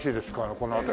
この辺り。